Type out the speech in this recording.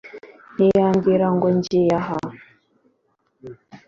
ntiyambwiraga ngo ngiye aha